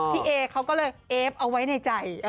พี่เอเขาก็เลยเอฟเอาไว้ในใจ